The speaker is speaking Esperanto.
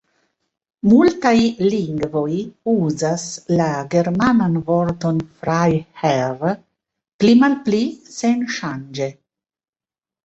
Multaj lingvoj uzas la germanan vorton "Freiherr" pli-malpli senŝanĝe.